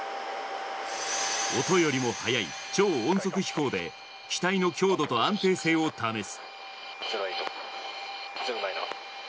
音よりも速い、超音速飛行で、機体の強度と安定性を試す。